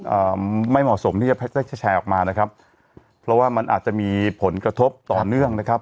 อ่าไม่เหมาะสมที่จะได้แชร์ออกมานะครับเพราะว่ามันอาจจะมีผลกระทบต่อเนื่องนะครับ